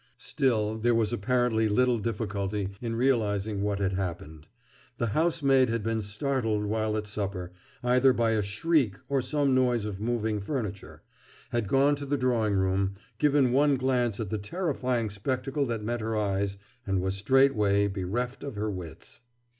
Still, there was apparently little difficulty in realizing what had happened. The housemaid had been startled while at supper, either by a shriek or some noise of moving furniture, had gone to the drawing room, given one glance at the terrifying spectacle that met her eyes, and was straightway bereft of her wits.